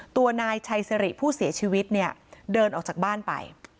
ตัวนายชายเสร็จผู้เสียชีวิตเดินออกจากบ้านไป